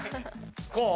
こう？